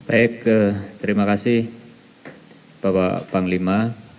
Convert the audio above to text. baik terima kasih bapak panglima